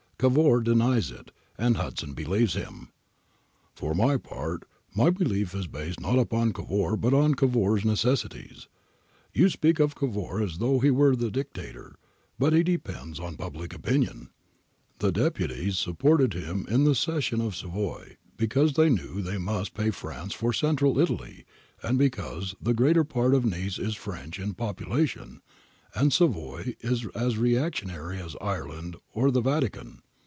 Cavour denies it, and Hudson believes him. ' For my part my belief is based not upon Cavour but upon Cavour's necessities. ... You speak of Cavour as though he were Dictator. But he depends on public opinion.' The deputies supported him in the cession of Savoy, because they knew they must pay France for Central Italy, and because the greater part of Nice is French in popu lation, and Savoy ' is as reactionary as Ireland or the Vatican.'